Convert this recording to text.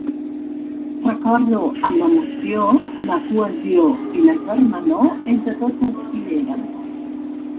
Recordo amb emoció la cohesió i la germanor entre tots els que hi érem.